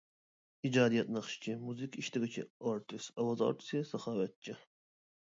ئىجادىيەت ناخشىچى، مۇزىكا ئىشلىگۈچى، ئارتىس، ئاۋاز ئارتىسى، ساخاۋەتچى.